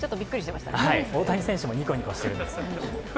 大谷選手もニコニコしてるんです。